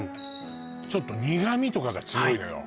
ちょっと苦味とかが強いのよ